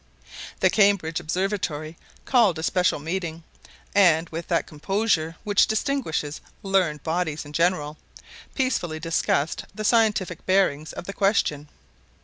The Cambridge observatory called a special meeting; and, with that composure which distinguishes learned bodies in general, peacefully discussed the scientific bearings of the question.